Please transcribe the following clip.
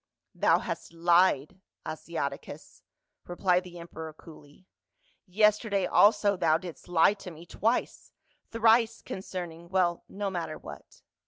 "Thou hast lied, Asiaticus," replied the emperor coolly, " yesterday also, thou didst lie to me twice, thrice concerning — well, no matter what.